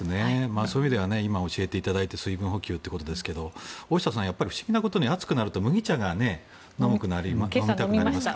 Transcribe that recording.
そういう意味では今、教えていただいた水分補給ということですが大下さん不思議なことに暑くなると麦茶が飲みたくなりますね。